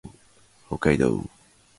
北海道富良野市